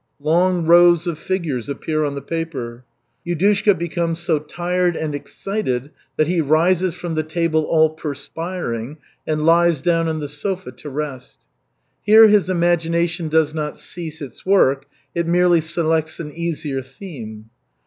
Long rows of figures appear on the paper. Yudushka becomes so tired and excited that he rises from the table all perspiring and lies down on the sofa to rest. Here his imagination does not cease its work, it merely selects an easier theme.